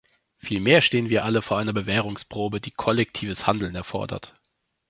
Vielmehr stehen wir alle vor einer Bewährungsprobe, die kollektives Handeln erfordert.